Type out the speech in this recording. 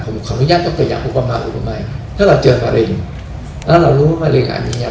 พระสัมภาษณ์ข้างด้าน